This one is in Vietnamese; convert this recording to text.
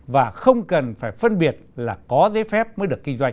và không cần phải phân biệt là có giấy phép mới được kinh doanh